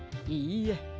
いいえ。